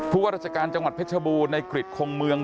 ผู้ก็รัฐการณ์จังหวัดเพชรบูรณ์ในกฤทธิ์คงเมือง